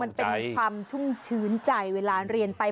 มันเป็นความชุ่มชื้นใจเวลาเรียนไป